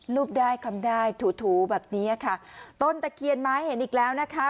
รูปได้คลำได้ถูถูแบบนี้ค่ะต้นตะเคียนไม้เห็นอีกแล้วนะคะ